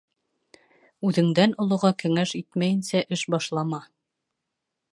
Үҙеңдән олоға кәңәш итмәйенсә эш башлама.